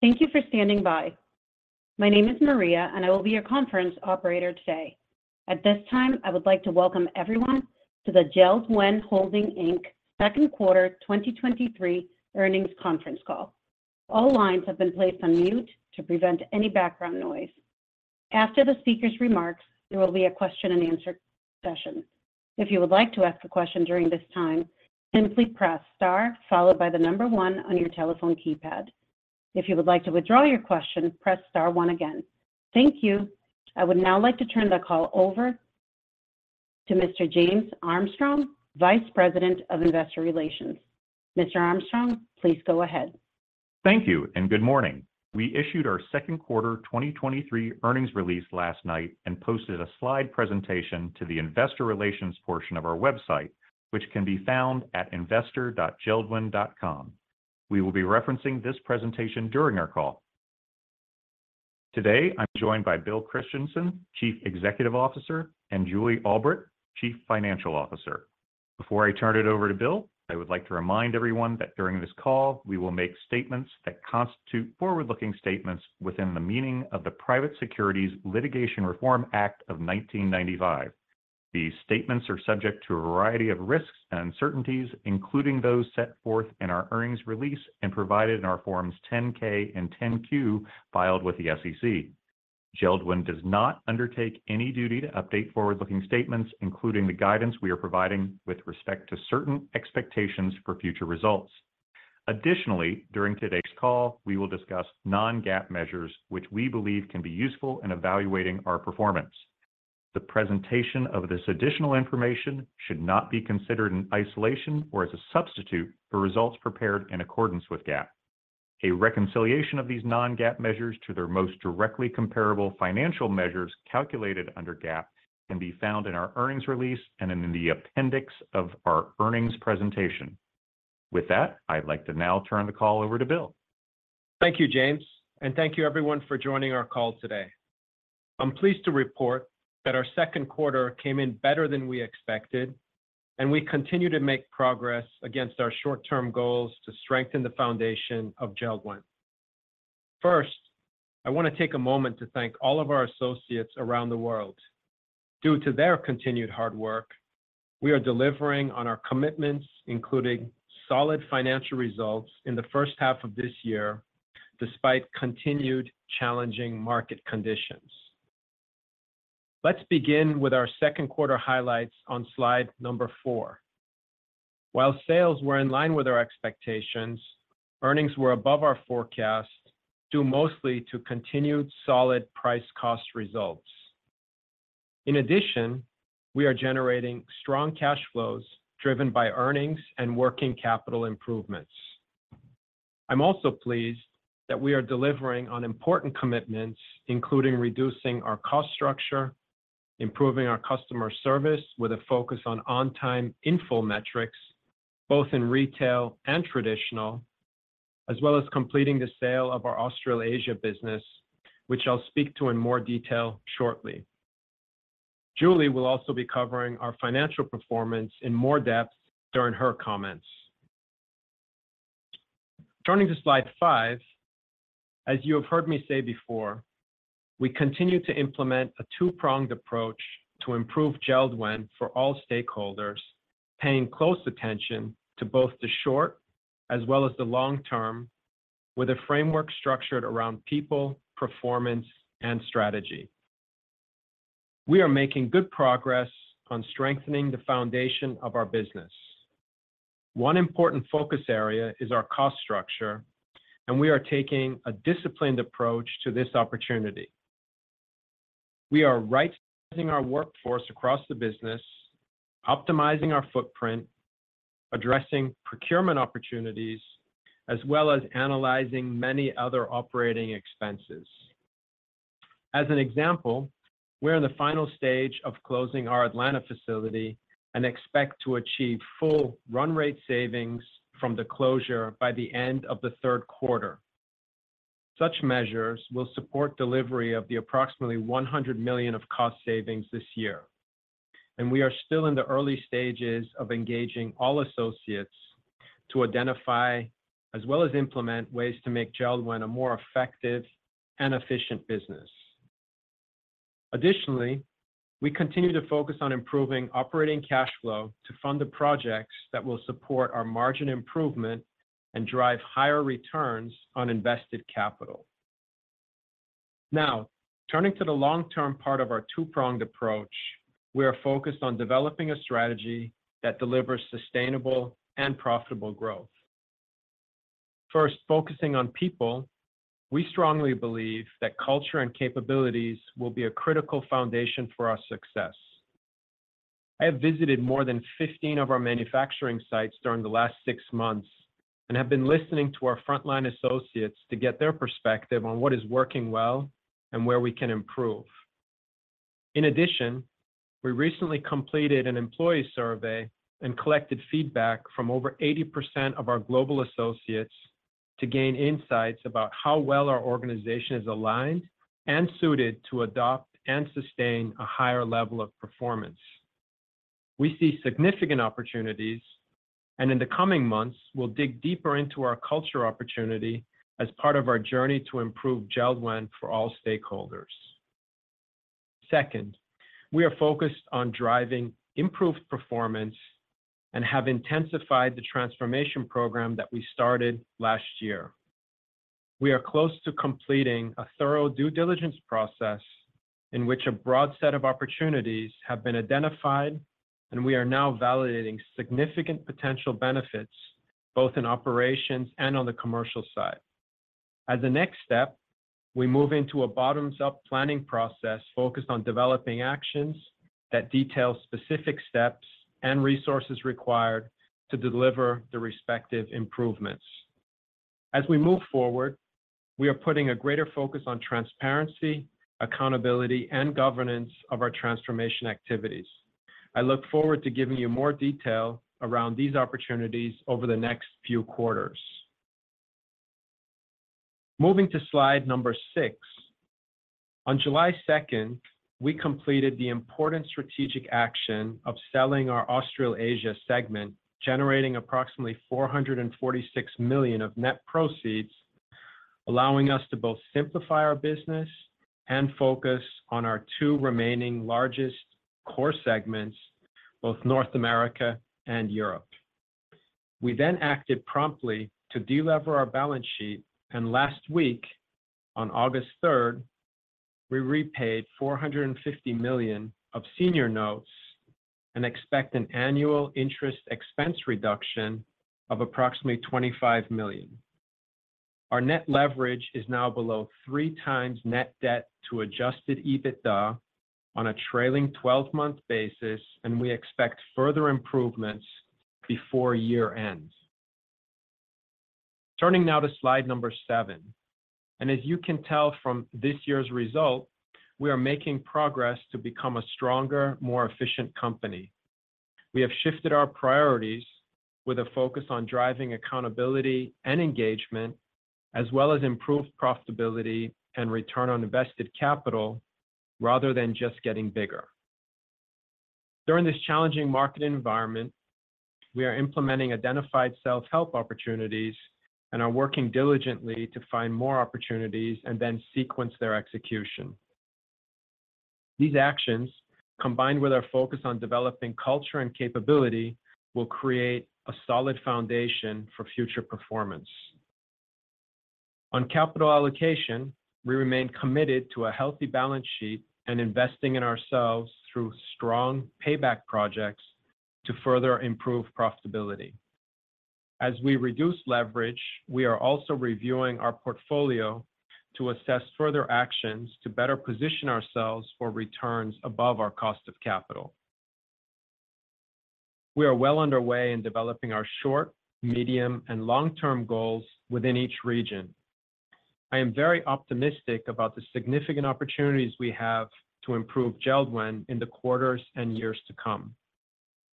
Thank you for standing by. My name is Maria, and I will be your conference operator today. At this time, I would like to welcome everyone to the JELD-WEN Holding, Inc. Second Quarter 2023 Earnings Conference Call. All lines have been placed on mute to prevent any background noise. After the speaker's remarks, there will be a question-and-answer session. If you would like to ask a question during this time, simply press star followed by the number one on your telephone keypad. If you would like to withdraw your question, press star one again. Thank you. I would now like to turn the call over to Mr. James Armstrong, Vice President of Investor Relations. Mr. Armstrong, please go ahead. Thank you, good morning. We issued our second quarter 2023 earnings release last night and posted a slide presentation to the investor relations portion of our website, which can be found at investor.jeld-wen.com. We will be referencing this presentation during our call. Today, I'm joined by Bill Christensen, Chief Executive Officer, and Julie Albrecht, Chief Financial Officer. Before I turn it over to Bill, I would like to remind everyone that during this call, we will make statements that constitute forward-looking statements within the meaning of the Private Securities Litigation Reform Act of 1995. These statements are subject to a variety of risks and uncertainties, including those set forth in our earnings release and provided in our Forms 10-K and 10-Q filed with the SEC. JELD-WEN does not undertake any duty to update forward-looking statements, including the guidance we are providing with respect to certain expectations for future results. Additionally, during today's call, we will discuss non-GAAP measures, which we believe can be useful in evaluating our performance. The presentation of this additional information should not be considered in isolation or as a substitute for results prepared in accordance with GAAP. A reconciliation of these non-GAAP measures to their most directly comparable financial measures calculated under GAAP can be found in our earnings release and in the appendix of our earnings presentation. With that, I'd like to now turn the call over to Bill. Thank you, James, thank you everyone for joining our call today. I'm pleased to report that our second quarter came in better than we expected, and we continue to make progress against our short-term goals to strengthen the foundation of JELD-WEN. First, I want to take a moment to thank all of our associates around the world. Due to their continued hard work, we are delivering on our commitments, including solid financial results in the first half of this year, despite continued challenging market conditions. Let's begin with our second quarter highlights on slide number 4. While sales were in line with our expectations, earnings were above our forecast, due mostly to continued solid price-cost results. In addition, we are generating strong cash flows driven by earnings and working capital improvements. I'm also pleased that we are delivering on important commitments, including reducing our cost structure, improving our customer service with a focus on on-time in-full metrics, both in retail and traditional, as well as completing the sale of our Australasia business, which I'll speak to in more detail shortly. Julie will also be covering our financial performance in more depth during her comments. Turning to slide 5, as you have heard me say before, we continue to implement a two-pronged approach to improve JELD-WEN for all stakeholders, paying close attention to both the short as well as the long term, with a framework structured around people, performance, and strategy. We are making good progress on strengthening the foundation of our business. One important focus area is our cost structure, and we are taking a disciplined approach to this opportunity. We are right-sizing our workforce across the business, optimizing our footprint, addressing procurement opportunities, as well as analyzing many other operating expenses. As an example, we're in the final stage of closing our Atlanta facility and expect to achieve full run rate savings from the closure by the end of the third quarter. Such measures will support delivery of the approximately $100 million of cost savings this year, and we are still in the early stages of engaging all associates to identify as well as implement ways to make JELD-WEN a more effective and efficient business. Additionally, we continue to focus on improving operating cash flow to fund the projects that will support our margin improvement and drive higher returns on invested capital. Turning to the long-term part of our two-pronged approach, we are focused on developing a strategy that delivers sustainable and profitable growth. First, focusing on people, we strongly believe that culture and capabilities will be a critical foundation for our success. I have visited more than 15 of our manufacturing sites during the last 6 months and have been listening to our frontline associates to get their perspective on what is working well and where we can improve. In addition, we recently completed an employee survey and collected feedback from over 80% of our global associates to gain insights about how well our organization is aligned and suited to adopt and sustain a higher level of performance. We see significant opportunities, and in the coming months, we'll dig deeper into our culture opportunity as part of our journey to improve JELD-WEN for all stakeholders. Second, we are focused on driving improved performance and have intensified the transformation program that we started last year. We are close to completing a thorough due diligence process, in which a broad set of opportunities have been identified, and we are now validating significant potential benefits, both in operations and on the commercial side. As a next step, we move into a bottoms-up planning process focused on developing actions that detail specific steps and resources required to deliver the respective improvements. As we move forward, we are putting a greater focus on transparency, accountability, and governance of our transformation activities. I look forward to giving you more detail around these opportunities over the next few quarters. Moving to slide number six. On July second, we completed the important strategic action of selling our Australasia segment, generating approximately $446 million of net proceeds, allowing us to both simplify our business and focus on our two remaining largest core segments, both North America and Europe. We acted promptly to delever our balance sheet, and last week, on August 3rd, we repaid $450 million of senior notes and expect an annual interest expense reduction of approximately $25 million. Our net leverage is now below 3 times net debt to adjusted EBITDA on a trailing twelve-month basis, and we expect further improvements before year ends. Turning now to slide number 7, as you can tell from this year's result, we are making progress to become a stronger, more efficient company. We have shifted our priorities with a focus on driving accountability and engagement, as well as improved profitability and return on invested capital, rather than just getting bigger. During this challenging market environment, we are implementing identified self-help opportunities and are working diligently to find more opportunities and then sequence their execution. These actions, combined with our focus on developing culture and capability, will create a solid foundation for future performance. On capital allocation, we remain committed to a healthy balance sheet and investing in ourselves through strong payback projects to further improve profitability. As we reduce leverage, we are also reviewing our portfolio to assess further actions to better position ourselves for returns above our cost of capital. We are well underway in developing our short, medium, and long-term goals within each region. I am very optimistic about the significant opportunities we have to improve JELD-WEN in the quarters and years to come.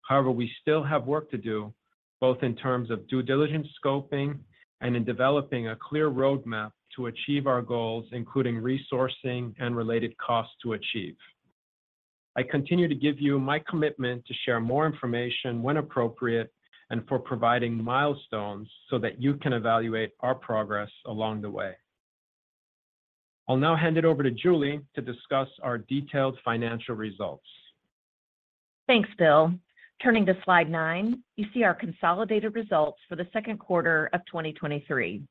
However, we still have work to do, both in terms of due diligence scoping and in developing a clear roadmap to achieve our goals, including resourcing and related costs to achieve. I continue to give you my commitment to share more information when appropriate and for providing milestones so that you can evaluate our progress along the way. I'll now hand it over to Julie to discuss our detailed financial results. Thanks, Bill. Turning to slide nine, you see our consolidated results for the second quarter of 2023.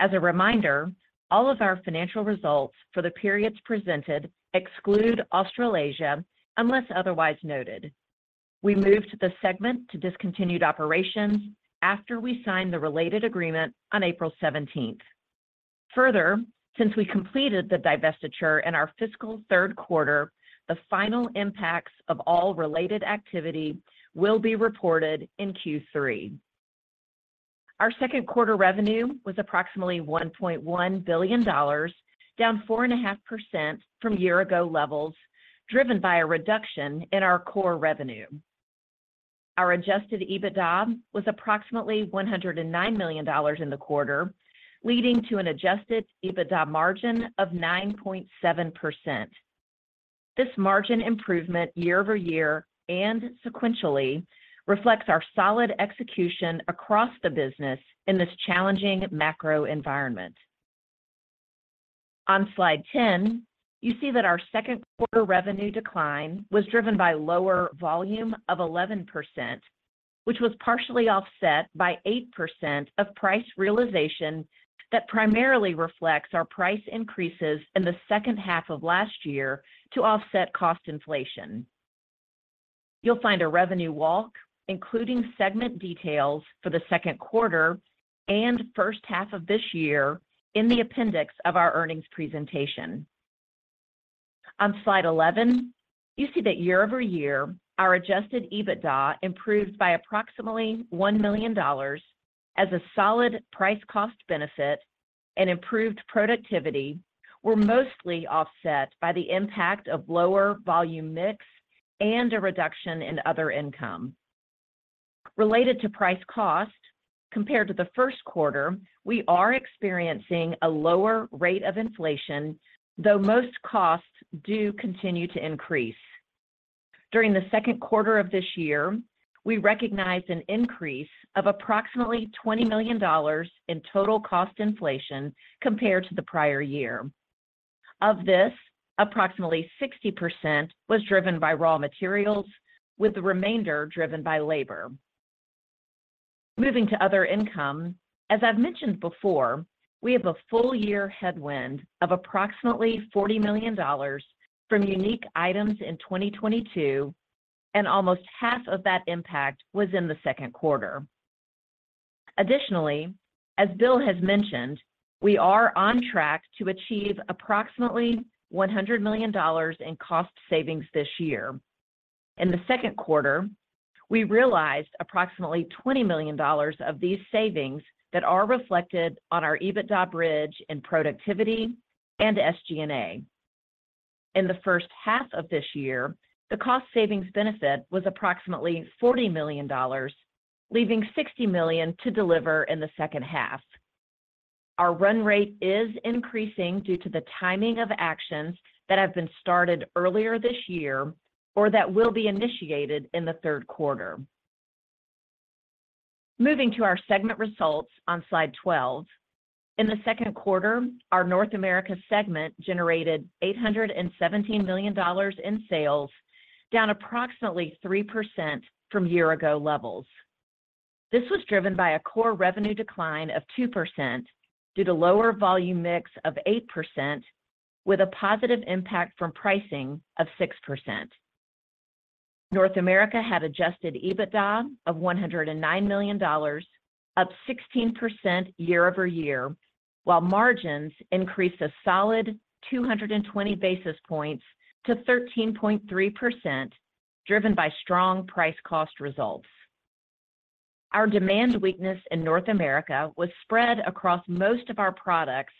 As a reminder, all of our financial results for the periods presented exclude Australasia, unless otherwise noted. We moved the segment to discontinued operations after we signed the related agreement on April 17th. Since we completed the divestiture in our fiscal third quarter, the final impacts of all related activity will be reported in Q3. Our second quarter revenue was approximately $1.1 billion, down 4.5% from year-ago levels, driven by a reduction in our core revenue. Our adjusted EBITDA was approximately $109 million in the quarter, leading to an adjusted EBITDA margin of 9.7%. This margin improvement year-over-year and sequentially reflects our solid execution across the business in this challenging macro environment. On slide 10, you see that our second quarter revenue decline was driven by lower volume of 11%, which was partially offset by 8% of price realization that primarily reflects our price increases in the second half of last year to offset cost inflation. You'll find a revenue walk, including segment details for the second quarter and first half of this year, in the appendix of our earnings presentation. On slide 11, you see that year-over-year, our adjusted EBITDA improved by approximately $1 million as a solid price-cost benefit and improved productivity were mostly offset by the impact of lower volume mix and a reduction in other income. Related to price-cost, compared to the first quarter, we are experiencing a lower rate of inflation, though most costs do continue to increase. During the second quarter of this year, we recognized an increase of approximately $20 million in total cost inflation compared to the prior year. Of this, approximately 60% was driven by raw materials, with the remainder driven by labor. Moving to other income, as I've mentioned before, we have a full year headwind of approximately $40 million from unique items in 2022, and almost half of that impact was in the second quarter. Additionally, as Bill has mentioned, we are on track to achieve approximately $100 million in cost savings this year. In the second quarter, we realized approximately $20 million of these savings that are reflected on our EBITDA bridge in productivity and SG&A. In the first half of this year, the cost savings benefit was approximately $40 million, leaving $60 million to deliver in the second half. Our run rate is increasing due to the timing of actions that have been started earlier this year, or that will be initiated in the third quarter. Moving to our segment results on slide 12. In the second quarter, our North America segment generated $817 million in sales, down approximately 3% from year ago levels. This was driven by a core revenue decline of 2% due to lower volume mix of 8%, with a positive impact from pricing of 6%. North America had adjusted EBITDA of $109 million, up 16% year-over-year, while margins increased a solid 220 basis points to 13.3%, driven by strong price-cost results. Our demand weakness in North America was spread across most of our products,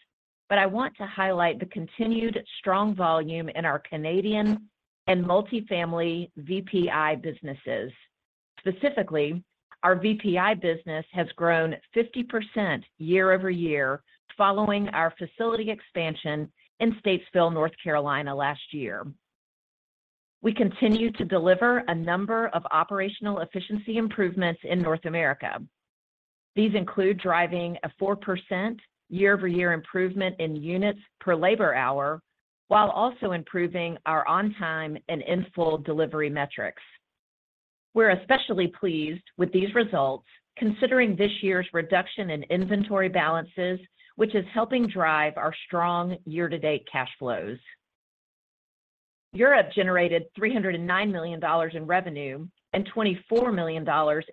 but I want to highlight the continued strong volume in our Canadian and multifamily VPI businesses. Specifically, our VPI business has grown 50% year-over-year following our facility expansion in Statesville, North Carolina, last year. We continue to deliver a number of operational efficiency improvements in North America. These include driving a 4% year-over-year improvement in units per labor hour, while also improving our on-time and in-full delivery metrics. We're especially pleased with these results, considering this year's reduction in inventory balances, which is helping drive our strong year-to-date cash flows. Europe generated $309 million in revenue and $24 million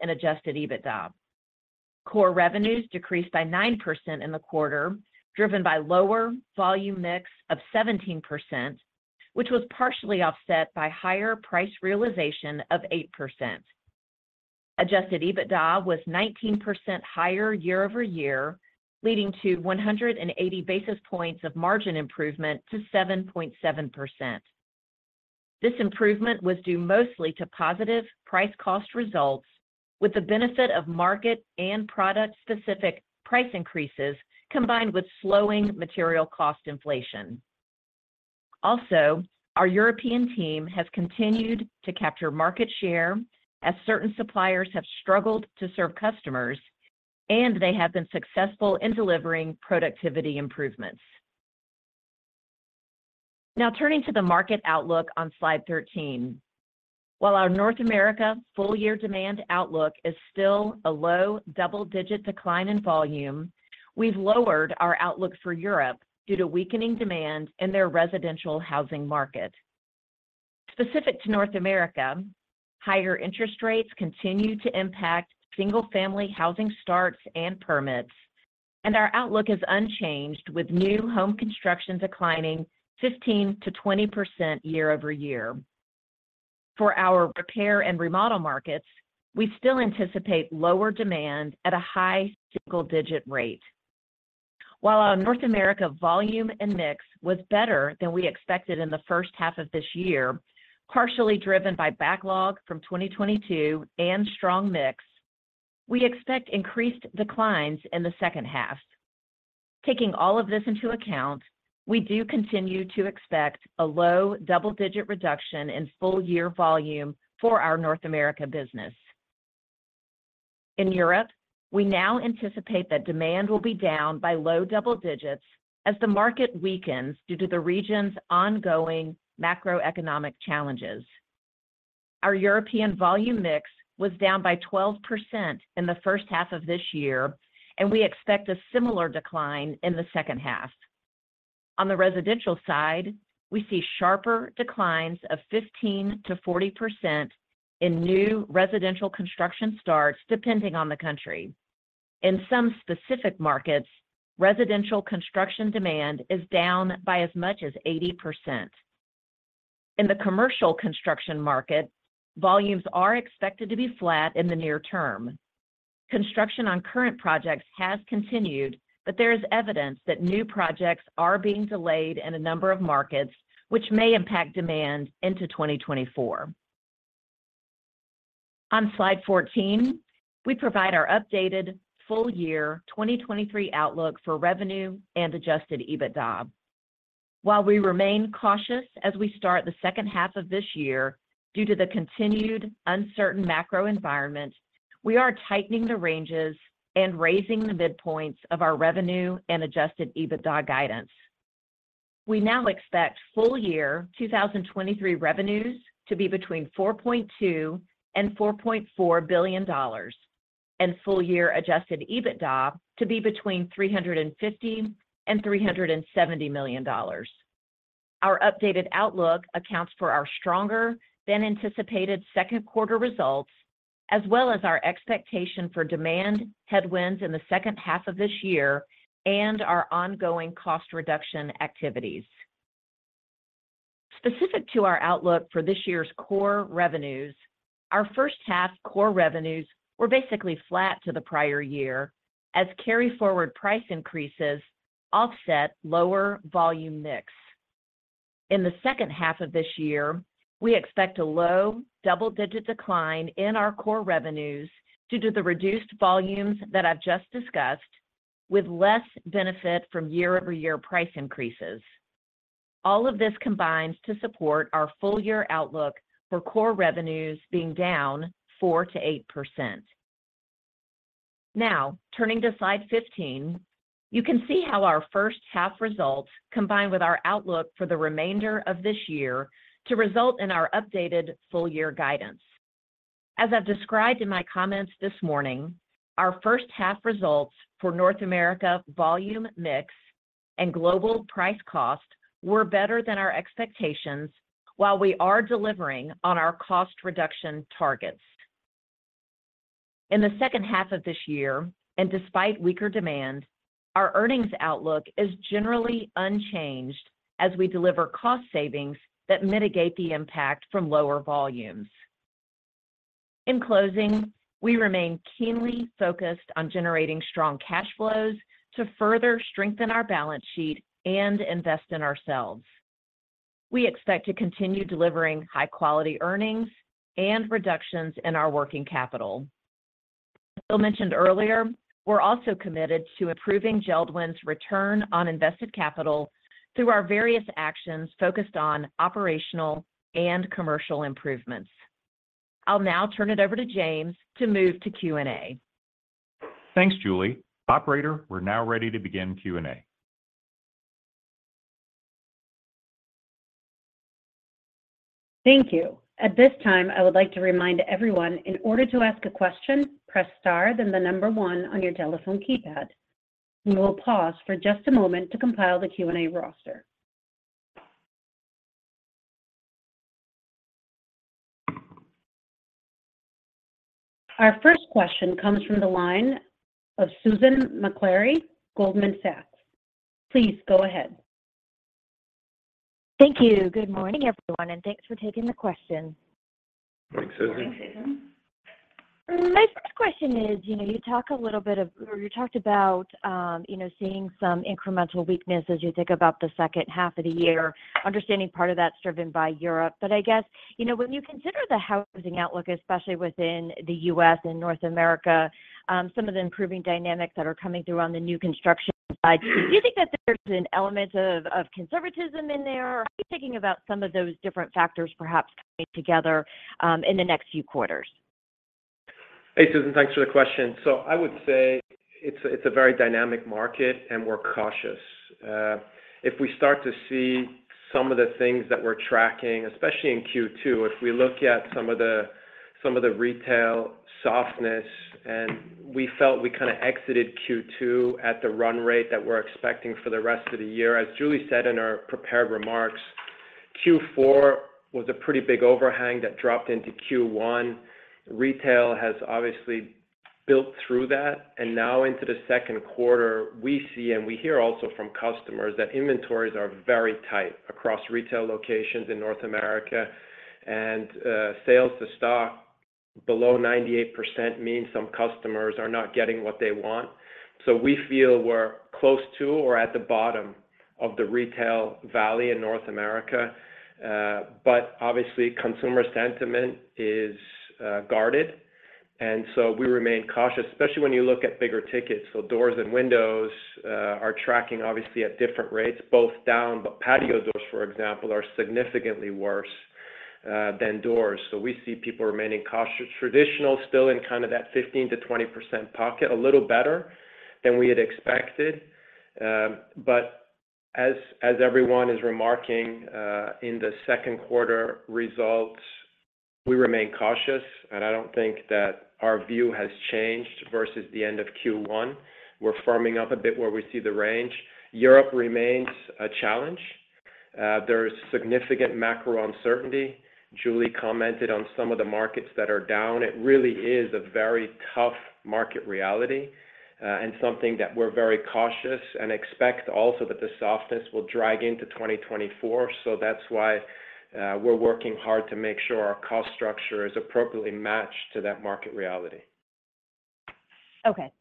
in adjusted EBITDA. Core revenue decreased by 9% in the quarter, driven by lower volume mix of 17%, which was partially offset by higher price realization of 8%. Adjusted EBITDA was 19% higher year-over-year, leading to 180 basis points of margin improvement to 7.7%. This improvement was due mostly to positive price-cost results, with the benefit of market and product-specific price increases, combined with slowing material cost inflation. Our European team has continued to capture market share as certain suppliers have struggled to serve customers, and they have been successful in delivering productivity improvements. Turning to the market outlook on slide 13. While our North America full year demand outlook is still a low double-digit decline in volume, we've lowered our outlook for Europe due to weakening demand in their residential housing market. Specific to North America, higher interest rates continue to impact single-family housing starts and permits, and our outlook is unchanged, with new home construction declining 15%-20% year-over-year. For our repair and remodel markets, we still anticipate lower demand at a high single-digit rate. While our North America volume and mix was better than we expected in the first half of this year, partially driven by backlog from 2022 and strong mix, we expect increased declines in the second half. Taking all of this into account, we do continue to expect a low double-digit reduction in full year volume for our North America business. In Europe, we now anticipate that demand will be down by low double-digits as the market weakens due to the region's ongoing macroeconomic challenges. Our European volume mix was down by 12% in the first half of this year, and we expect a similar decline in the second half. On the residential side, we see sharper declines of 15%-40% in new residential construction starts, depending on the country. In some specific markets, residential construction demand is down by as much as 80%. In the commercial construction market, volumes are expected to be flat in the near term.... Construction on current projects has continued, but there is evidence that new projects are being delayed in a number of markets, which may impact demand into 2024. On slide 14, we provide our updated full year 2023 outlook for revenue and adjusted EBITDA. While we remain cautious as we start the second half of this year, due to the continued uncertain macro environment, we are tightening the ranges and raising the midpoints of our revenue and adjusted EBITDA guidance. We now expect full year 2023 revenues to be between $4.2 billion and $4.4 billion, and full year adjusted EBITDA to be between $350 million and $370 million. Our updated outlook accounts for our stronger than anticipated second quarter results, as well as our expectation for demand headwinds in the second half of this year, and our ongoing cost reduction activities. Specific to our outlook for this year's core revenues, our first half core revenues were basically flat to the prior year, as carry forward price increases offset lower volume mix. In the second half of this year, we expect a low double-digit decline in our core revenues due to the reduced volumes that I've just discussed, with less benefit from year-over-year price increases. All of this combines to support our full year outlook for core revenues being down 4%-8%. Now, turning to slide 15, you can see how our first half results combined with our outlook for the remainder of this year to result in our updated full year guidance. As I've described in my comments this morning, our first half results for North America volume mix and global price-cost were better than our expectations, while we are delivering on our cost reduction targets. In the second half of this year, and despite weaker demand, our earnings outlook is generally unchanged as we deliver cost savings that mitigate the impact from lower volumes. In closing, we remain keenly focused on generating strong cash flows to further strengthen our balance sheet and invest in ourselves. We expect to continue delivering high-quality earnings and reductions in our working capital. As Bill mentioned earlier, we're also committed to improving JELD-WEN's return on invested capital through our various actions focused on operational and commercial improvements. I'll now turn it over to James to move to Q&A. Thanks, Julie. Operator, we're now ready to begin Q&A. Thank you. At this time, I would like to remind everyone, in order to ask a question, press star, then the number one on your telephone keypad. We will pause for just a moment to compile the Q&A roster. Our first question comes from the line of Susan Maklari, Goldman Sachs. Please go ahead. Thank you. Good morning, everyone, and thanks for taking the question. Good morning, Susan. Good morning, Susan. My first question is, you know, you talk a little bit of-- or you talked about, you know, seeing some incremental weakness as you think about the second half of the year, understanding part of that's driven by Europe. But I guess, you know, when you consider the housing outlook, especially within the U.S. and North America, some of the improving dynamics that are coming through on the new construction side, do you think that there's an element of, of conservatism in there? Or are you thinking about some of those different factors perhaps coming together, in the next few quarters? Hey, Susan, thanks for the question. I would say it's a very dynamic market, and we're cautious. If we start to see some of the things that we're tracking, especially in Q2, if we look at some of the retail softness, and we felt we kinda exited Q2 at the run rate that we're expecting for the rest of the year. As Julie said in our prepared remarks, Q4 was a pretty big overhang that dropped into Q1. Retail has obviously built through that, and now into the second quarter, we see, and we hear also from customers, that inventories are very tight across retail locations in North America, and sales to stock below 98% means some customers are not getting what they want. We feel we're close to or at the bottom of the retail valley in North America. Obviously, consumer sentiment is guarded, and we remain cautious, especially when you look at bigger tickets. Doors and windows are tracking obviously at different rates, both down, but patio doors, for example, are significantly worse than doors. We see people remaining cautious. Traditional, still in kind of that 15%-20% pocket, a little better than we had expected. As, as everyone is remarking, in the second quarter results, we remain cautious, and I don't think that our view has changed versus the end of Q1. We're firming up a bit where we see the range. Europe remains a challenge. There is significant macro uncertainty. Julie commented on some of the markets that are down. It really is a very tough market reality, and something that we're very cautious and expect also that the softness will drag into 2024. That's why, we're working hard to make sure our cost structure is appropriately matched to that market reality.... Okay, that,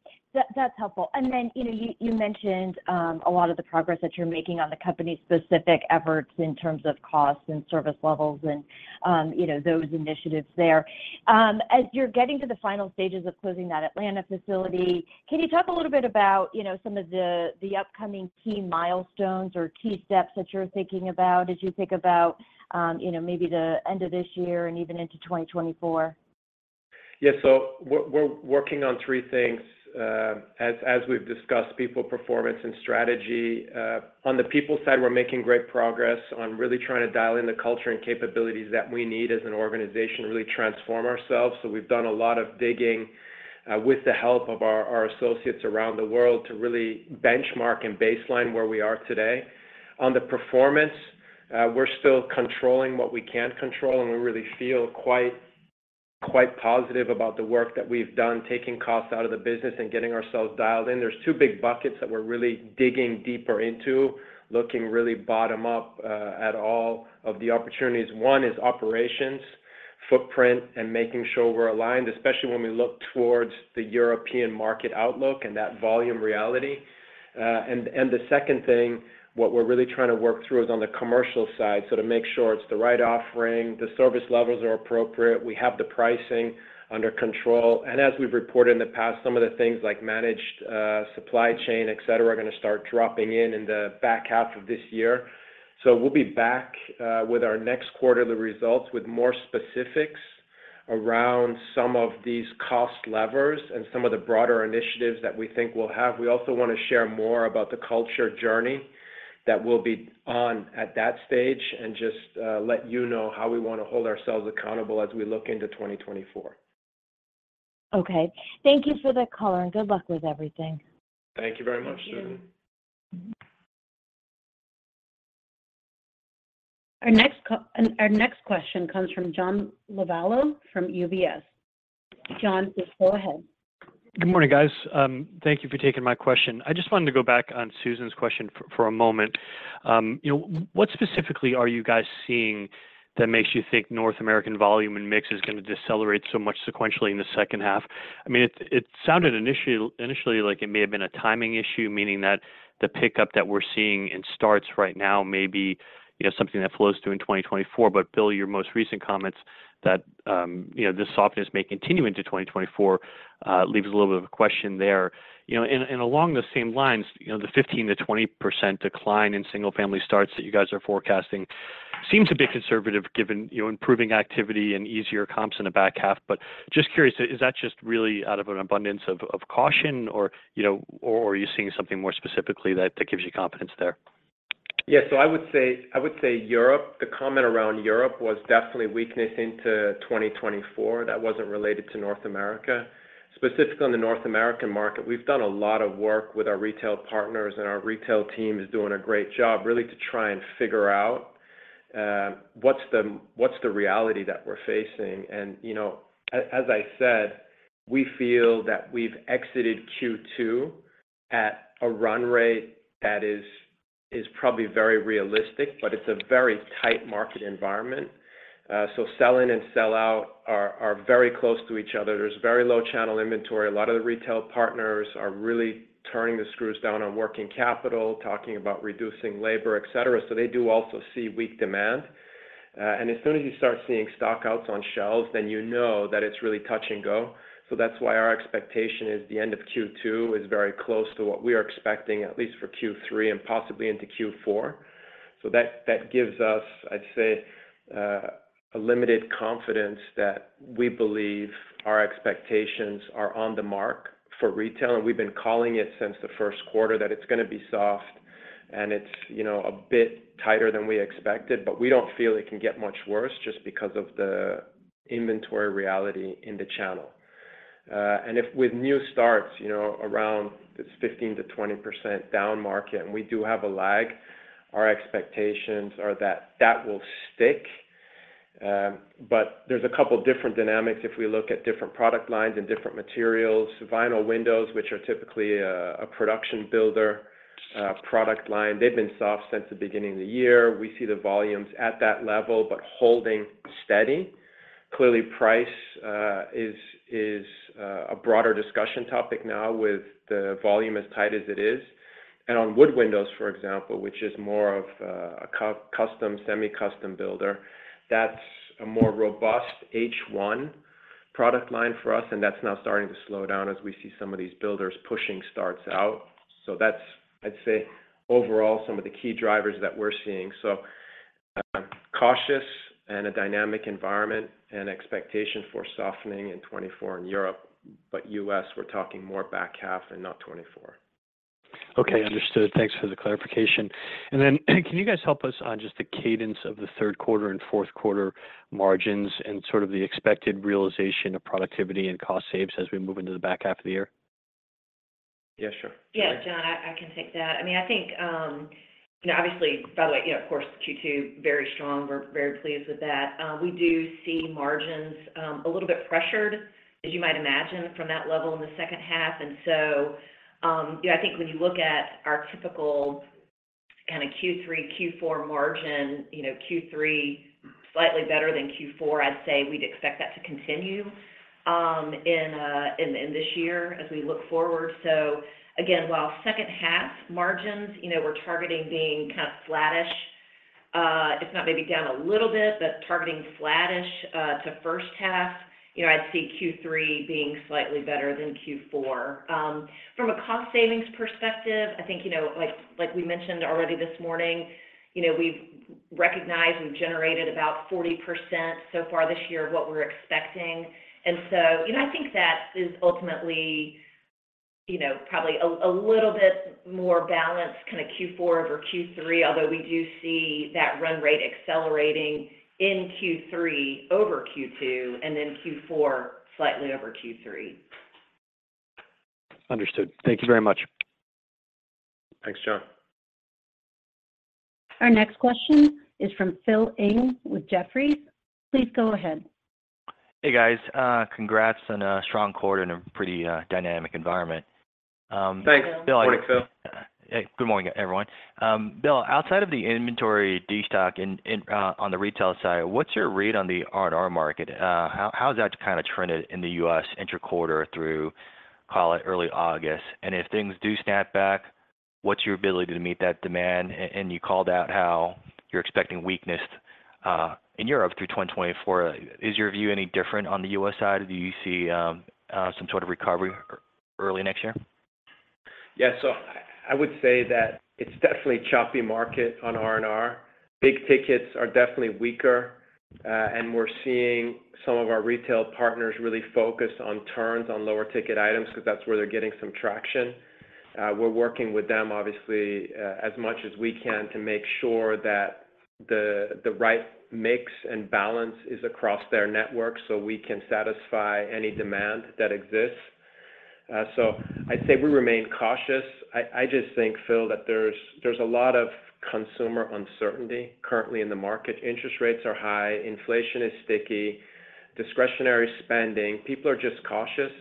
that's helpful. Then, you know, you, you mentioned a lot of the progress that you're making on the company-specific efforts in terms of costs and service levels, and, you know, those initiatives there. As you're getting to the final stages of closing that Atlanta facility, can you talk a little bit about, you know, some of the, the upcoming key milestones or key steps that you're thinking about as you think about, you know, maybe the end of this year and even into 2024? Yeah. We're, we're working on three things. As we've discussed, people, performance, and strategy. On the people side, we're making great progress on really trying to dial in the culture and capabilities that we need as an organization to really transform ourselves. We've done a lot of digging, with the help of our, our associates around the world to really benchmark and baseline where we are today. On the performance, we're still controlling what we can control, and we really feel quite, quite positive about the work that we've done, taking costs out of the business and getting ourselves dialed in. There's two big buckets that we're really digging deeper into, looking really bottom up, at all of the opportunities. One is operations, footprint, and making sure we're aligned, especially when we look towards the European market outlook and that volume reality. The second thing, what we're really trying to work through is on the commercial side, so to make sure it's the right offering, the service levels are appropriate, we have the pricing under control. As we've reported in the past, some of the things like managed supply chain, et cetera, are gonna start dropping in, in the back half of this year. We'll be back with our next quarterly results with more specifics around some of these cost levers and some of the broader initiatives that we think we'll have. We also want to share more about the culture journey that we'll be on at that stage, and just let you know how we want to hold ourselves accountable as we look into 2024. Okay. Thank you for the color, and good luck with everything. Thank you very much, Susan. Thank you. Our next question comes from John Lovallo from UBS. John, please go ahead. Good morning, guys. Thank you for taking my question. I just wanted to go back on Susan's question for, for a moment. You know, what specifically are you guys seeing that makes you think North American volume and mix is gonna decelerate so much sequentially in the second half? I mean, it, it sounded initially, initially like it may have been a timing issue, meaning that the pickup that we're seeing in starts right now may be, you know, something that flows through in 2024. Bill, your most recent comments that, you know, this softness may continue into 2024, leaves a little bit of a question there. You know, and along the same lines, you know, the 15%-20% decline in single-family starts that you guys are forecasting seems a bit conservative, given, you know, improving activity and easier comps in the back half. Just curious, is that just really out of an abundance of caution, or, you know, or are you seeing something more specifically that, that gives you confidence there? Yeah. I would say, I would say Europe, the comment around Europe was definitely weakness into 2024. That wasn't related to North America. Specifically, on the North American market, we've done a lot of work with our retail partners, and our retail team is doing a great job, really, to try and figure out what's the reality that we're facing. You know, as I said, we feel that we've exited Q2 at a run rate that is, is probably very realistic, but it's a very tight market environment. Sell-in and sell out are, are very close to each other. There's very low channel inventory. A lot of the retail partners are really turning the screws down on working capital, talking about reducing labor, et cetera, so they do also see weak demand. As soon as you start seeing stockouts on shelves, then you know that it's really touch and go. That's why our expectation is the end of Q2 is very close to what we are expecting, at least for Q3 and possibly into Q4. That, that gives us, I'd say, a limited confidence that we believe our expectations are on the mark for retail, and we've been calling it since the first quarter, that it's gonna be soft, and it's, you know, a bit tighter than we expected. We don't feel it can get much worse just because of the inventory reality in the channel. If with new starts, you know, around this 15%-20% down market, and we do have a lag, our expectations are that that will stick. There's a couple different dynamics if we look at different product lines and different materials. Vinyl windows, which are typically a production builder product line, they've been soft since the beginning of the year. We see the volumes at that level, but holding steady. Clearly, price is, is a broader discussion topic now with the volume as tight as it is. On Wood windows, for example, which is more of a custom, semi-custom builder, that's a more robust H1 product line for us, and that's now starting to slow down as we see some of these builders pushing starts out. That's, I'd say, overall, some of the key drivers that we're seeing. Cautious and a dynamic environment and expectation for softening in 2024 in Europe, but U.S., we're talking more back half and not 2024. Okay, understood. Thanks for the clarification. Then, can you guys help us on just the cadence of the third quarter and fourth quarter margins and sort of the expected realization of productivity and cost saves as we move into the back half of the year? Yeah, sure. Yeah, John, I, I can take that. I mean, I think, you know, obviously, by the way, you know, of course, Q2, very strong. We're very pleased with that. We do see margins a little bit pressured, as you might imagine, from that level in the second half. Yeah, I think when you look at our typical kind of Q3, Q4 margin, you know, Q3 slightly better than Q4, I'd say we'd expect that to continue in this year as we look forward. While second half margins, you know, we're targeting being kind of flattish, if not maybe down a little bit, but targeting flattish to first half, you know, I'd see Q3 being slightly better than Q4. From a cost savings perspective, I think, you know, like, like we mentioned already this morning, you know, we've recognized we've generated about 40% so far this year of what we're expecting. You know, I think that is ultimately, you know, probably a, a little bit more balanced kind of Q4 over Q3, although we do see that run rate accelerating in Q3 over Q2, and then Q4 slightly over Q3. Understood. Thank you very much. Thanks, John. Our next question is from Philip Ng with Jefferies. Please go ahead. Hey, guys. congrats on a strong quarter in a pretty dynamic environment. Thanks, Phil. Good morning, Phil. Hey, good morning, everyone. Bill, outside of the inventory destock in, in, on the retail side, what's your read on the RNR market? How, how's that kind of trended in the U.S. interquarter through, call it, early August? If things do snap back, what's your ability to meet that demand? You called out how you're expecting weakness in Europe through 2024. Is your view any different on the U.S. side? Do you see some sort of recovery early next year? Yeah. I would say that it's definitely a choppy market on RNR. Big tickets are definitely weaker, and we're seeing some of our retail partners really focus on turns on lower ticket items, because that's where they're getting some traction. We're working with them, obviously, as much as we can to make sure that the, the right mix and balance is across their network, so we can satisfy any demand that exists. I'd say we remain cautious. I, I just think, Phil, that there's, there's a lot of consumer uncertainty currently in the market. Interest rates are high, inflation is sticky, discretionary spending. People are just cautious.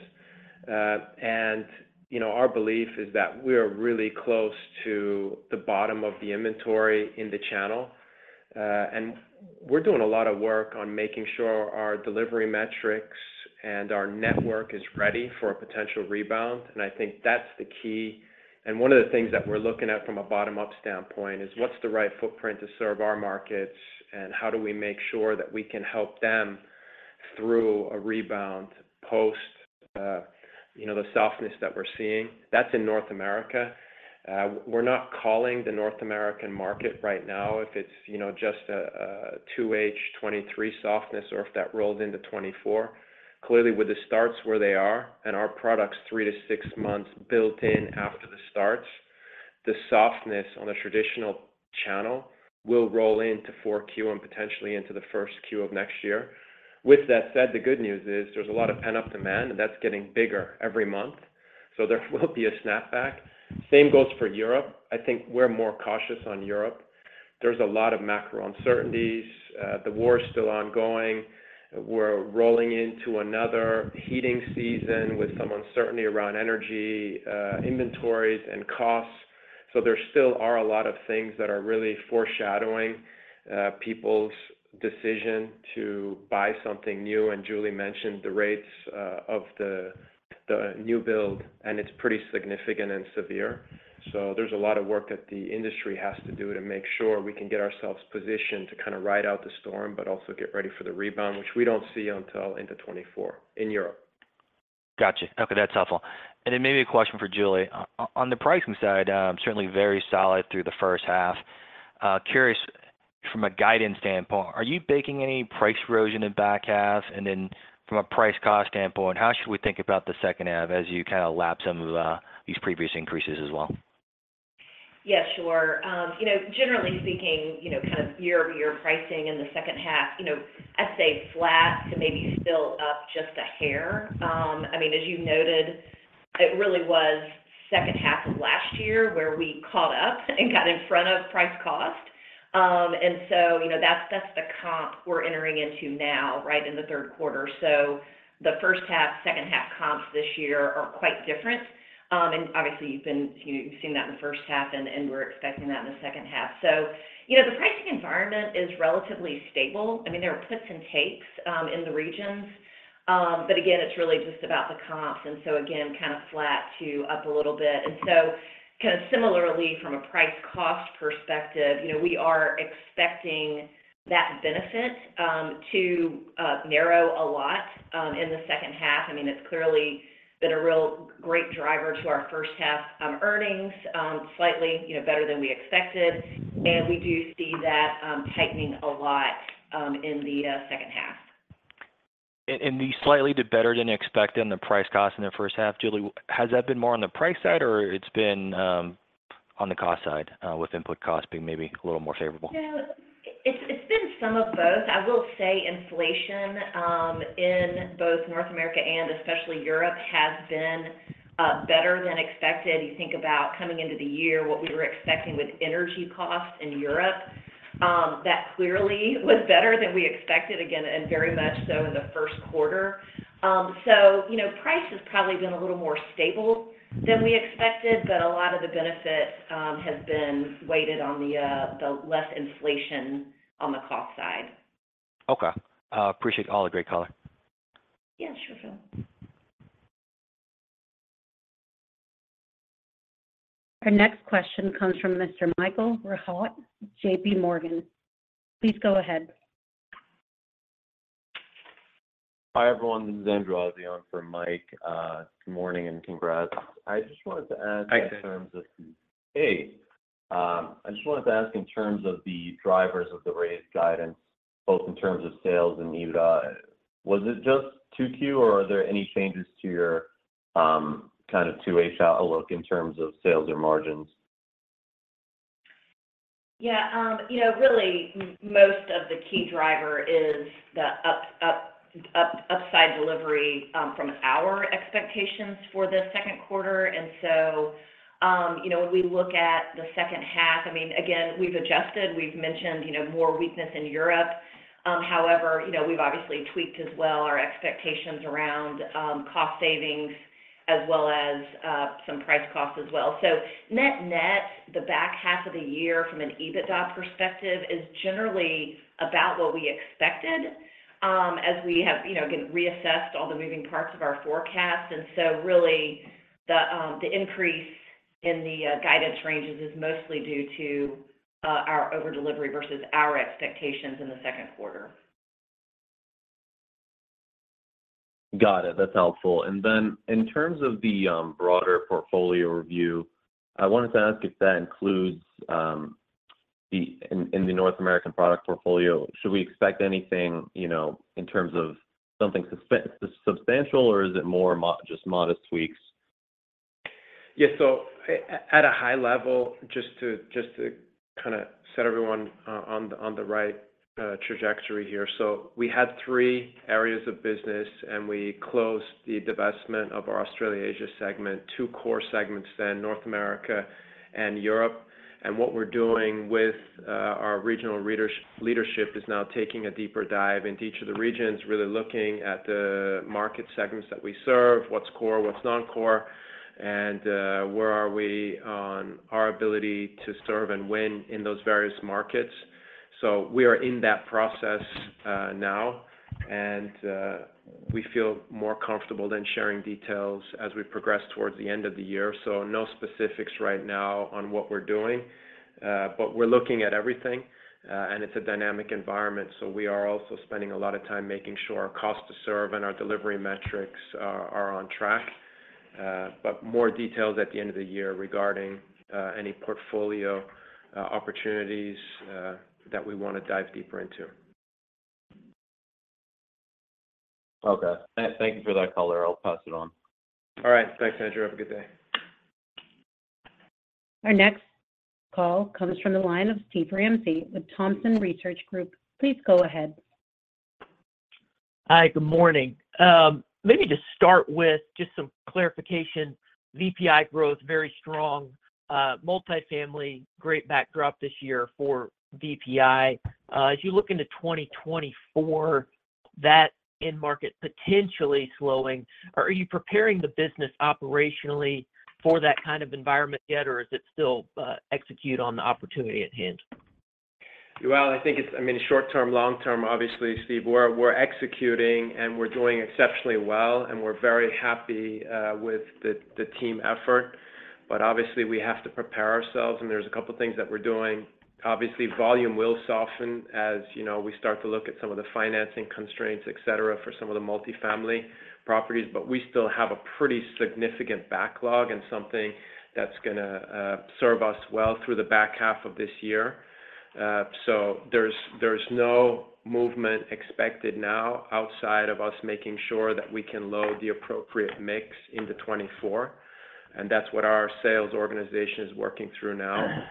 You know, our belief is that we're really close to the bottom of the inventory in the channel. We're doing a lot of work on making sure our delivery metrics and our network is ready for a potential rebound, and I think that's the key. One of the things that we're looking at from a bottom-up standpoint is, what's the right footprint to serve our markets, and how do we make sure that we can help them through a rebound post, you know, the softness that we're seeing? That's in North America. We're not calling the North American market right now, if it's, you know, just a 2023 softness, or if that rolls into 2024. Clearly, with the starts where they are, and our products 3-6 months built-in after the starts, the softness on a traditional channel will roll into 4Q, and potentially into the 1Q of next year. With that said, the good news is, there's a lot of pent-up demand, and that's getting bigger every month, so there will be a snapback. Same goes for Europe. I think we're more cautious on Europe. There's a lot of macro uncertainties. The war is still ongoing. We're rolling into another heating season with some uncertainty around energy, inventories and costs. There still are a lot of things that are really foreshadowing people's decision to buy something new. Julie mentioned the rates of the, the new build, and it's pretty significant and severe. There's a lot of work that the industry has to do to make sure we can get ourselves positioned to kind of ride out the storm, but also get ready for the rebound, which we don't see until into 2024 in Europe. Got you. Okay, that's helpful. Then maybe a question for Julie. On the pricing side, certainly very solid through the first half. Curious, from a guidance standpoint, are you baking any price erosion in the back half? Then from a price-cost standpoint, how should we think about the second half as you kind of lap some of these previous increases as well? Yeah, sure. You know, generally speaking, you know, kind of year-over-year pricing in the second half, you know, I'd say flat to maybe still up just a hair. I mean, as you noted, it really was second half of last year where we caught up and got in front of price-cost. You know, that's, that's the comp we're entering into now, right in the third quarter. The first half, second half comps this year are quite different. You've been-- you've seen that in the first half, and we're expecting that in the second half. You know, the pricing environment is relatively stable. I mean, there are puts and takes in the regions, it's really just about the comps, again, kind of flat to up a little bit. Kind of similarly, from a price-cost perspective, you know, we are expecting that benefit to narrow a lot in the second half. I mean, it's clearly been a real great driver to our first half earnings, slightly, you know, better than we expected, and we do see that tightening a lot in the second half. The slightly did better than expected on the price-cost in the first half. Julie, has that been more on the price side, or it's been on the cost side with input costs being maybe a little more favorable? Yeah. It's, it's been some of both. I will say inflation, in both North America and especially Europe, has been better than expected. You think about coming into the year, what we were expecting with energy costs in Europe.... that clearly was better than we expected again, and very much so in the first quarter. You know, price has probably been a little more stable than we expected, but a lot of the benefit has been weighted on the less inflation on the cost side. Okay. Appreciate all the great color. Yeah, sure, sure. Our next question comes from Mr. Michael Rehaut, JP Morgan. Please go ahead. Hi, everyone, this is Andrew on for Mike. Good morning, and congrats. I just wanted to ask- Hi, Andrew. In terms of Hey, I just wanted to ask in terms of the drivers of the raised guidance, both in terms of sales and EBITDA, was it just 2Q, or are there any changes to your, kind of 2H outlook in terms of sales or margins? Yeah, you know, really, most of the key driver is the upside delivery from our expectations for the second quarter. You know, when we look at the second half, I mean, again, we've adjusted, we've mentioned, you know, more weakness in Europe. However, you know, we've obviously tweaked as well our expectations around cost savings, as well as some price-cost as well. Net-net, the back half of the year from an EBITDA perspective is generally about what we expected, as we have, you know, again, reassessed all the moving parts of our forecast. Really, the increase in the guidance ranges is mostly due to our over-delivery versus our expectations in the second quarter. Got it. That's helpful. Then in terms of the broader portfolio review, I wanted to ask if that includes the North American product portfolio, should we expect anything, you know, in terms of something substantial, or is it more just modest tweaks? Yeah. At a high level, just to kind of set everyone on the right trajectory here. We had three areas of business, and we closed the divestment of our Australasia segment. Two core segments, then North America and Europe. What we're doing with our regional leaders- leadership is now taking a deeper dive into each of the regions, really looking at the market segments that we serve, what's core, what's non-core, and where are we on our ability to serve and win in those various markets. We are in that process now, and we feel more comfortable than sharing details as we progress towards the end of the year. No specifics right now on what we're doing, but we're looking at everything, and it's a dynamic environment, so we are also spending a lot of time making sure our cost to serve and our delivery metrics are on track. More details at the end of the year regarding any portfolio opportunities that we wanna dive deeper into. Okay. thank you for that color. I'll pass it on. All right. Thanks, Andrew. Have a good day. Our next call comes from the line of Steven Ramsey with Thompson Research Group. Please go ahead. Hi, good morning. Maybe to start with just some clarification. VPI growth, very strong, multifamily, great backdrop this year for VPI. As you look into 2024, that end market potentially slowing, are you preparing the business operationally for that kind of environment yet, or is it still execute on the opportunity at hand? Well, I think it's, I mean, short term, long term, obviously, Steve, we're, we're executing, and we're doing exceptionally well, and we're very happy with the team effort, but obviously, we have to prepare ourselves, and there's a couple of things that we're doing. Obviously, volume will soften, as, you know, we start to look at some of the financing constraints, et cetera, for some of the multifamily properties. We still have a pretty significant backlog and something that's gonna serve us well through the back half of this year. There's no movement expected now outside of us making sure that we can load the appropriate mix into 2024, and that's what our sales organization is working through now.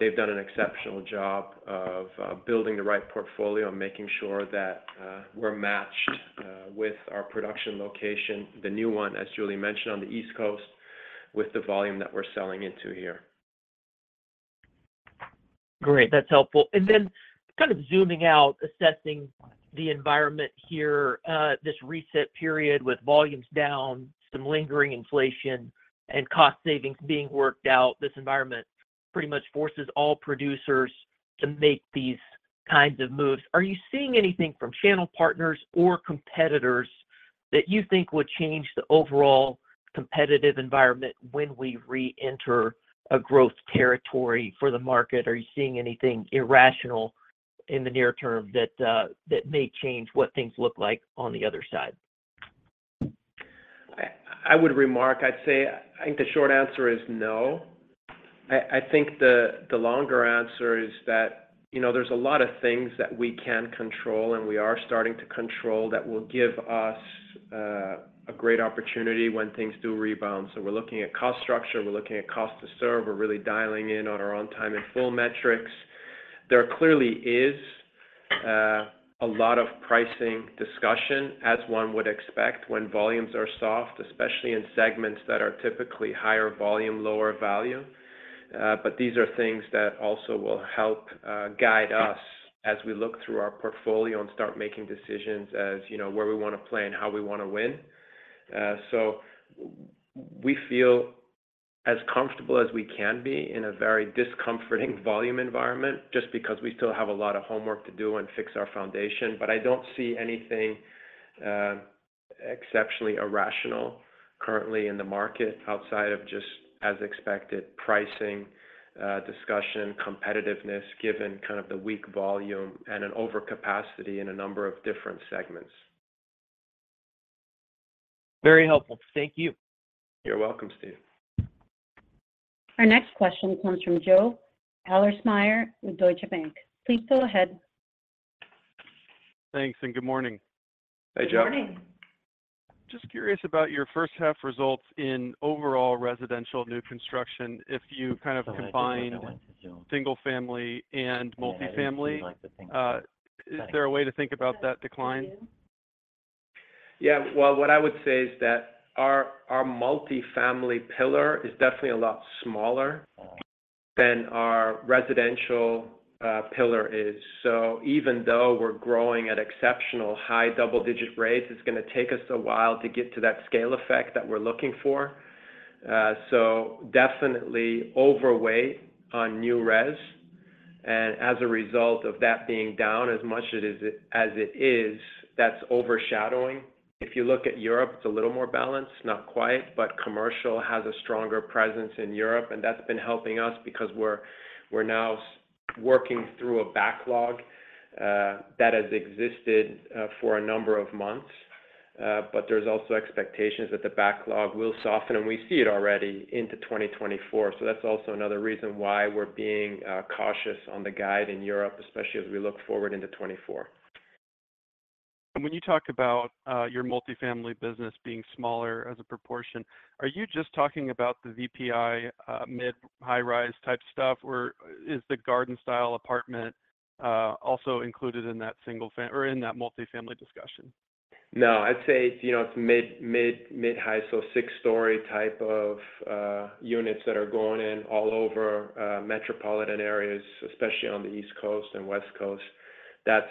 They've done an exceptional job of building the right portfolio and making sure that we're matched with our production location, the new one, as Julie mentioned, on the East Coast, with the volume that we're selling into here. Great, that's helpful. Then kind of zooming out, assessing the environment here, this reset period with volumes down, some lingering inflation and cost savings being worked out, this environment pretty much forces all producers to make these kinds of moves. Are you seeing anything from channel partners or competitors that you think would change the overall competitive environment when we reenter a growth territory for the market? Are you seeing anything irrational in the near term that may change what things look like on the other side? I, I would remark, I'd say, I think the short answer is no. I, I think the, the longer answer is that, you know, there's a lot of things that we can control, and we are starting to control, that will give us a great opportunity when things do rebound. We're looking at cost structure, we're looking at cost to serve, we're really dialing in on our on-time and in-full metrics. There clearly is a lot of pricing discussion, as one would expect when volumes are soft, especially in segments that are typically higher volume, lower value. These are things that also will help guide us as we look through our portfolio and start making decisions as, you know, where we wanna play and how we wanna win. We feel as comfortable as we can be in a very discomforting volume environment, just because we still have a lot of homework to do and fix our foundation. I don't see anything exceptionally irrational currently in the market, outside of just, as expected, pricing discussion, competitiveness, given kind of the weak volume and an overcapacity in a number of different segments. Very helpful. Thank you. You're welcome, Steve. Our next question comes from Joe Ahlersmeyer with Deutsche Bank. Please go ahead. Thanks, good morning. Hey, Joe. Good morning. Just curious about your first half results in overall residential new construction. If you kind of combined. I get what that one is, Joe.... single family and multifamily- I actually like to think... Is there a way to think about that decline? Well, what I would say is that our multifamily pillar is definitely a lot smaller than our residential pillar is. Even though we're growing at exceptional high double-digit rates, it's gonna take us a while to get to that scale effect that we're looking for. Definitely overweight on new res. As a result of that being down as much it is, as it is, that's overshadowing. If you look at Europe, it's a little more balanced, not quite, but commercial has a stronger presence in Europe, and that's been helping us because we're now working through a backlog that has existed for a number of months. There's also expectations that the backlog will soften, and we see it already into 2024. That's also another reason why we're being cautious on the guide in Europe, especially as we look forward into 2024. When you talk about your multifamily business being smaller as a proportion, are you just talking about the VPI mid-high rise type stuff, or is the garden-style apartment also included in that or in that multifamily discussion? No, I'd say, you know, it's mid, mid, mid-high, so 6-story type of units that are going in all over metropolitan areas, especially on the East Coast and West Coast. That's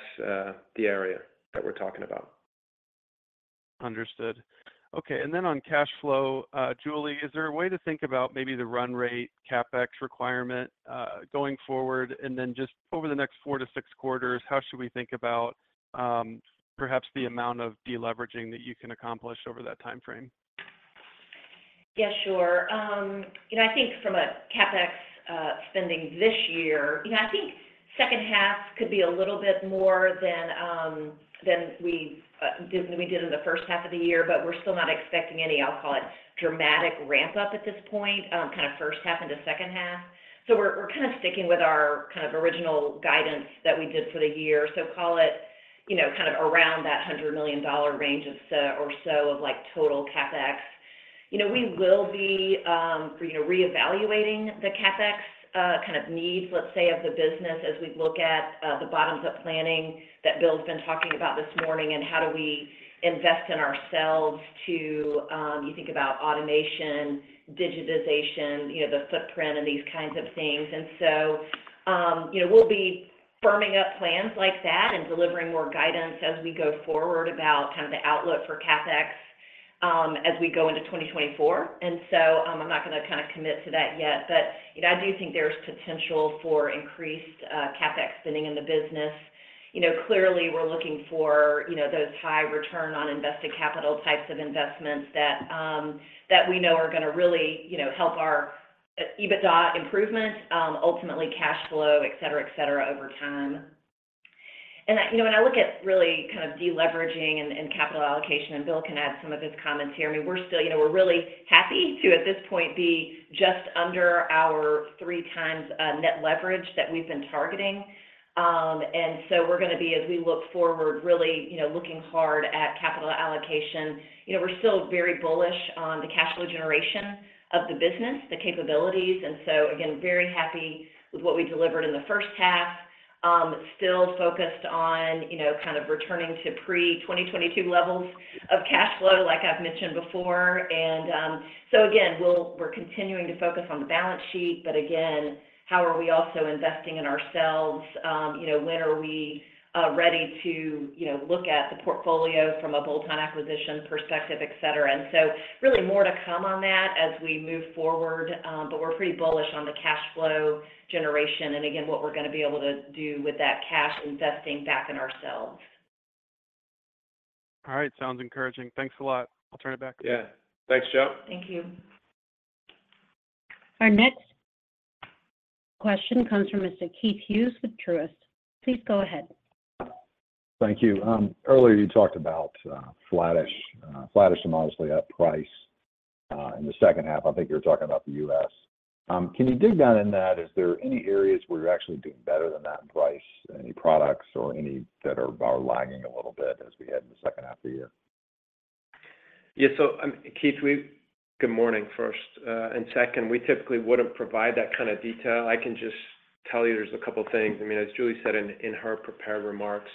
the area that we're talking about. Understood. Okay, then on cash flow, Julie, is there a way to think about maybe the run rate, CapEx requirement, going forward? Then just over the next 4-6 quarters, how should we think about, perhaps the amount of deleveraging that you can accomplish over that time frame? Yeah, sure. You know, I think from a CapEx spending this year, you know, I think second half could be a little bit more than than we did, we did in the first half of the year, but we're still not expecting any, I'll call it, dramatic ramp-up at this point, kind of first half into second half. We're, we're kind of sticking with our kind of original guidance that we did for the year. Call it, you know, kind of around that $100 million range or so, or so of like total CapEx. You know, we will be, you know, reevaluating the CapEx kind of needs, let's say, of the business as we look at the bottoms-up planning that Bill's been talking about this morning, and how do we invest in ourselves to... You think about automation, digitization, you know, the footprint and these kinds of things. And so, you know, we'll be firming up plans like that and delivering more guidance as we go forward about kind of the outlook for CapEx as we go into 2024. I'm not gonna commit to that yet, but, you know, I do think there's potential for increased CapEx spending in the business. You know, clearly, we're looking for, you know, those high return on invested capital types of investments that we know are gonna really, you know, help our EBITDA improvement, ultimately cash flow, et cetera, et cetera, over time. I, you know, when I look at really kind of deleveraging and, and capital allocation, and Bill can add some of his comments here, I mean, we're still, you know, we're really happy to, at this point, be just under our 3 times net leverage that we've been targeting. So we're gonna be, as we look forward, really, you know, looking hard at capital allocation. You know, we're still very bullish on the cash flow generation of the business, the capabilities. So again, very happy with what we delivered in the first half. Still focused on, you know, kind of returning to pre-2022 levels of cash flow, like I've mentioned before. So again, we're continuing to focus on the balance sheet, but again, how are we also investing in ourselves? You know, when are we ready to, you know, look at the portfolio from a bolt-on acquisition perspective, et cetera? Really more to come on that as we move forward, but we're pretty bullish on the cash flow generation, and again, what we're gonna be able to do with that cash, investing back in ourselves. All right. Sounds encouraging. Thanks a lot. I'll turn it back to- Yeah. Thanks, Joe. Thank you. Our next question comes from Mr. Keith Hughes with Truist. Please go ahead. Thank you. earlier, you talked about flattish, flattish and obviously, up price in the second half. I think you were talking about the U.S. Can you dig down in that? Is there any areas where you're actually doing better than that in price? Any products or any that are, are lagging a little bit as we head in the second half of the year? Yeah, Keith, good morning, first. Second, we typically wouldn't provide that kind of detail. I can just tell you there's a couple things. I mean, as Julie said in, in her prepared remarks,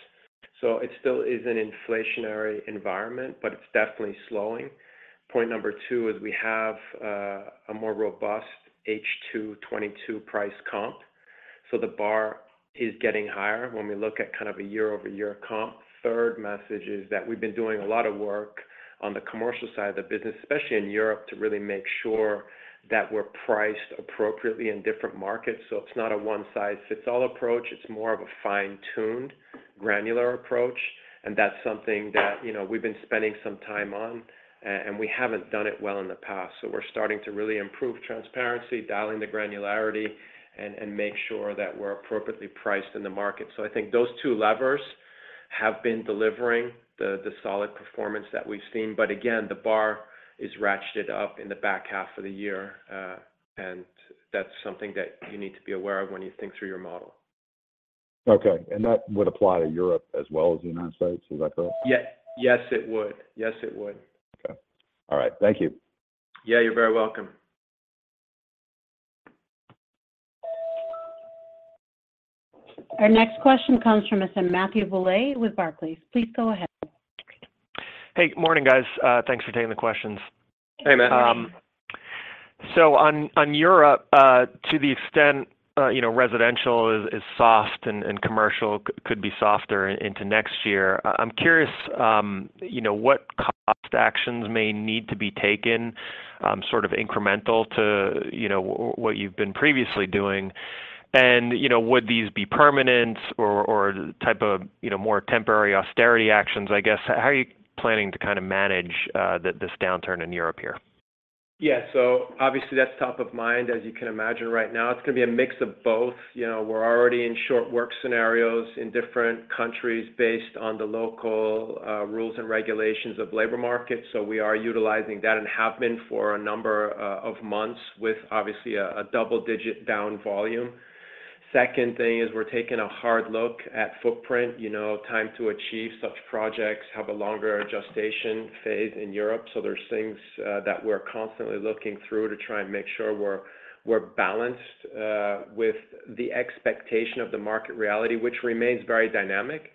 it still is an inflationary environment, but it's definitely slowing. Point number two is we have a more robust H2 2022 price comp, the bar is getting higher when we look at kind of a year-over-year comp. Third message is that we've been doing a lot of work on the commercial side of the business, especially in Europe, to really make sure that we're priced appropriately in different markets. It's not a one-size-fits-all approach, it's more of a fine-tuned, granular approach, and that's something that, you know, we've been spending some time on, and we haven't done it well in the past. We're starting to really improve transparency, dialing the granularity, and make sure that we're appropriately priced in the market. I think those two levers have been delivering the solid performance that we've seen. Again, the bar is ratcheted up in the back half of the year, and that's something that you need to be aware of when you think through your model. Okay, that would apply to Europe as well as the United States, is that correct? Yes. Yes, it would. Yes, it would. Okay. All right, thank you. Yeah, you're very welcome. Our next question comes from Matthew Bouley with Barclays. Please go ahead. Hey, good morning, guys. Thanks for taking the questions. Hey, Matt. On Europe, to the extent, you know, residential is soft and commercial could be softer into next year, I'm curious, you know, what cost actions may need to be taken, sort of incremental to, you know, what you've been previously doing? You know, would these be permanent or type of, you know, more temporary austerity actions, I guess? How are you planning to kind of manage this downturn in Europe here? Yeah. Obviously, that's top of mind, as you can imagine right now. It's gonna be a mix of both. You know, we're already in short work scenarios in different countries based on the local rules and regulations of labor market, so we are utilizing that and have been for a number of months, with obviously a double-digit down volume. Second thing is we're taking a hard look at footprint, you know, time to achieve such projects, have a longer adjustment phase in Europe. There's things that we're constantly looking through to try and make sure we're balanced with the expectation of the market reality, which remains very dynamic.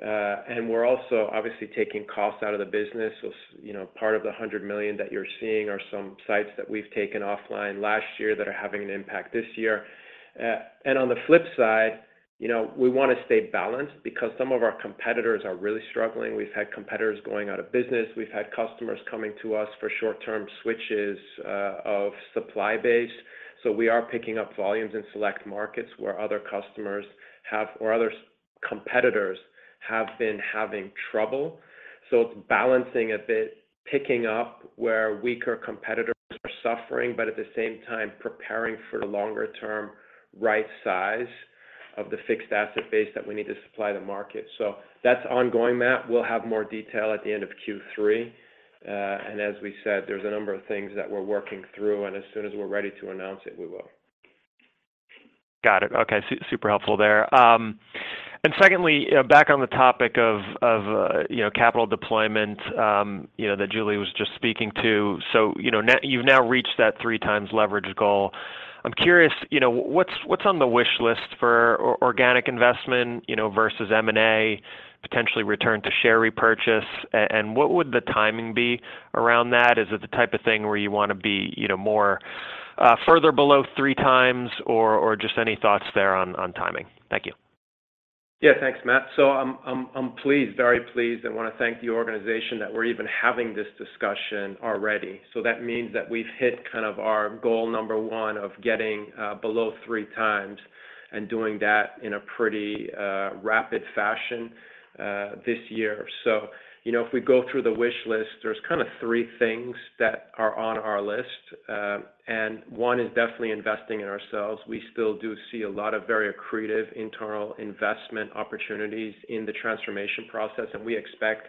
We're also, obviously, taking costs out of the business. You know, part of the $100 million that you're seeing are some sites that we've taken offline last year that are having an impact this year. On the flip side, you know, we wanna stay balanced because some of our competitors are really struggling. We've had competitors going out of business, we've had customers coming to us for short-term switches of supply base. We are picking up volumes in select markets where other customers have... or other competitors have been having trouble. It's balancing a bit, picking up where weaker competitors are suffering, but at the same time, preparing for the longer term right size of the fixed asset base that we need to supply the market. That's ongoing, Matt. We'll have more detail at the end of Q3. As we said, there's a number of things that we're working through, and as soon as we're ready to announce it, we will. Got it. Okay, super helpful there. Secondly, back on the topic of, of, you know, capital deployment, you know, that Julie was just speaking to. You know, you've now reached that three times leverage goal. I'm curious, you know, what's, what's on the wish list for organic investment, you know, versus M&A, potentially return to share repurchase, and what would the timing be around that? Is it the type of thing where you wanna be, you know, more, further below three times, or, or just any thoughts there on, on timing? Thank you. Yeah, thanks, Matt. I'm pleased, very pleased, and wanna thank the organization that we're even having this discussion already. That means that we've hit kind of our goal number 1 of getting below 3 times, and doing that in a pretty rapid fashion this year. You know, if we go through the wish list, there's kind of 3 things that are on our list, and 1 is definitely investing in ourselves. We still do see a lot of very accretive internal investment opportunities in the transformation process, and we expect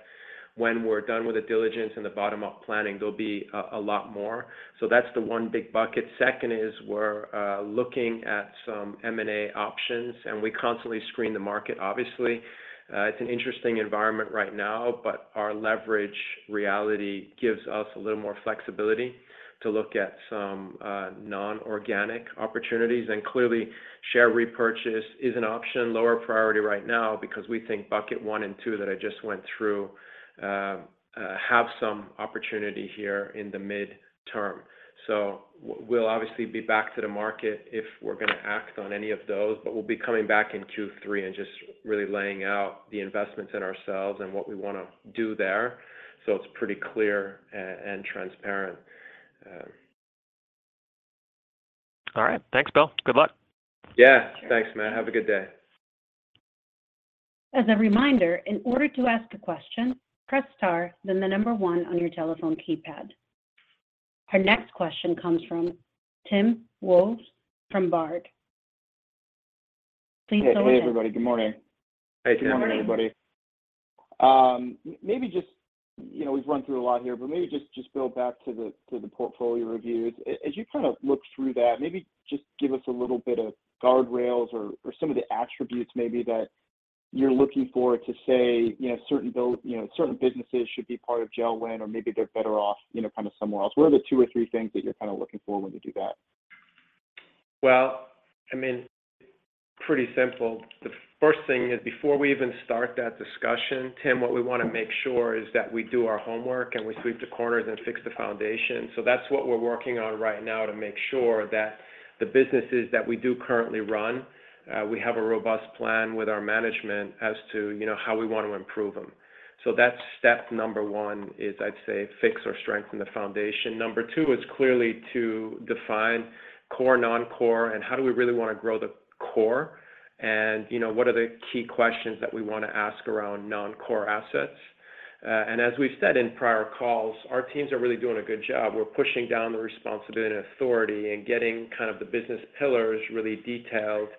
when we're done with the diligence and the bottom-up planning, there'll be a lot more. That's the 1 big bucket. Second is we're looking at some M&A options, and we constantly screen the market, obviously. It's an interesting environment right now, but our leverage reality gives us a little more flexibility to look at some non-organic opportunities. Clearly, share repurchase is an option, lower priority right now because we think bucket one and two that I just went through have some opportunity here in the mid-term. We'll obviously be back to the market if we're gonna act on any of those, but we'll be coming back in Q3 and just really laying out the investments in ourselves and what we wanna do there, so it's pretty clear and transparent. All right. Thanks, Bill. Good luck. Yeah. Thanks, Matthew. Have a good day. As a reminder, in order to ask a question, press star, then the number one on your telephone keypad. Our next question comes from Tim Wojs from Baird. Please go ahead. Hey, everybody. Good morning. Hey, Tim. Good morning. Good morning, everybody. Maybe, you know, we've run through a lot here, but maybe just, just go back to the, to the portfolio reviews. As you kind of look through that, maybe just give us a little bit of guardrails or, or some of the attributes maybe that you're looking for to say, you know, certain build, you know, certain businesses should be part of JELD-WEN, or maybe they're better off, you know, kind of somewhere else. What are the two or three things that you're kind of looking for when you do that? Well, I mean, pretty simple. The first thing is, before we even start that discussion, Tim, what we wanna make sure is that we do our homework, and we sweep the corners and fix the foundation. That's what we're working on right now to make sure that the businesses that we do currently run, we have a robust plan with our management as to, you know, how we want to improve them. That's step number one, is I'd say, fix or strengthen the foundation. Number two is clearly to define core, non-core, and how do we really wanna grow the core, and, you know, what are the key questions that we wanna ask around non-core assets? And as we've said in prior calls, our teams are really doing a good job. We're pushing down the responsibility and authority and getting kind of the business pillars really detailed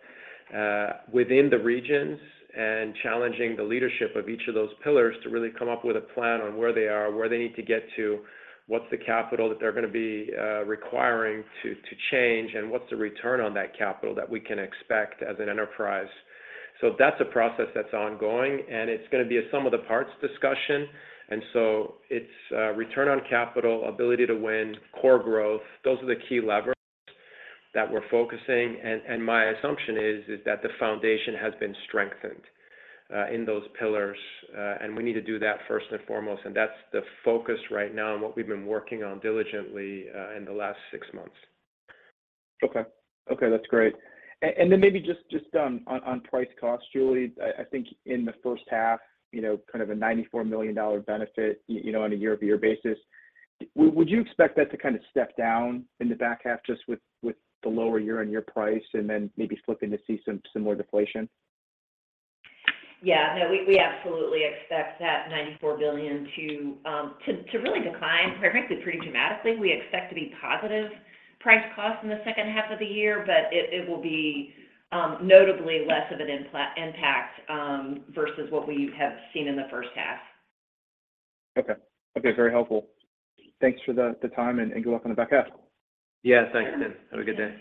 within the regions, and challenging the leadership of each of those pillars to really come up with a plan on where they are, where they need to get to, what's the capital that they're gonna be requiring to, to change, and what's the return on that capital that we can expect as an enterprise? That's a process that's ongoing, and it's gonna be a sum of the parts discussion. It's return on capital, ability to win, core growth. Those are the key levers that we're focusing, and my assumption is, is that the foundation has been strengthened in those pillars. We need to do that first and foremost, and that's the focus right now and what we've been working on diligently, in the last six months. Okay. Okay, that's great. Then maybe just on price-cost, Julie, I think in the first half, you know, kind of a $94 million benefit, you know, on a year-over-year basis. Would you expect that to kind of step down in the back half, just with the lower year-on-year price and then maybe slipping to see some, some more deflation? Yeah. No, we, we absolutely expect that $94 million to, to, really decline, frankly, pretty dramatically. We expect to be positive price-cost in the second half of the year, it, it will be notably less of an impact versus what we have seen in the first half. Okay. Okay, very helpful. Thanks for the time. Good luck on the back half. Yes, thanks, Tim. Have a good day.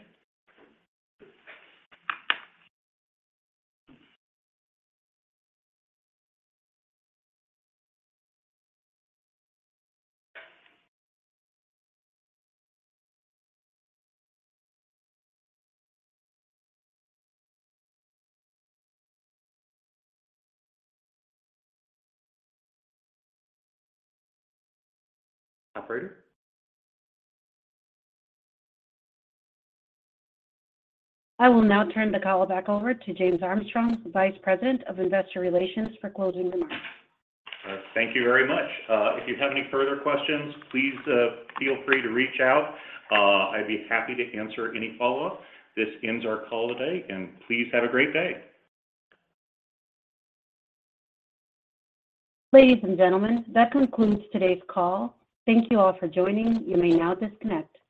Operator? I will now turn the call back over to James Armstrong, Vice President of Investor Relations, for closing remarks. Thank you very much. If you have any further questions, please feel free to reach out. I'd be happy to answer any follow-up. This ends our call today. Please have a great day. Ladies and gentlemen, that concludes today's call. Thank you all for joining. You may now disconnect.